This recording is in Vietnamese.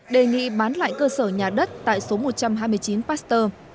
đề nghị bán lại cơ sở nhà đất tại số một trăm hai mươi chín pasteur